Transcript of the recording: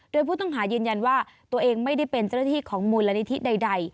โดยผู้ต้องหายืนยันว่าตัวเองไม่ได้เป็นเจ้าหน้าที่ของมูลนิธิใด